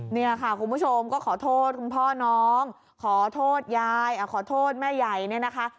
เนี่ยค่ะคุณผู้ชมก็ขอโทษคุณพ่อน้องขอโทษยายขอโทษแม่ใหญ่เนี่ยนะคะ